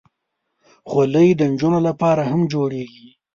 خولۍ د نجونو لپاره هم جوړېږي.